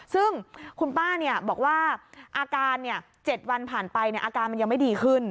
ซึ่งคุณป้าบอกว่าอาการ๗วันผ่านไปอาการมันยังไม่ดีขึ้น